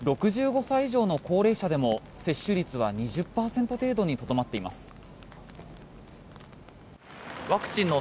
６５歳以上の高齢者でも接種率は２０％程度にとどまっています。